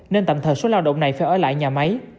nên tạm thời số lao động này phải ở lại nhà máy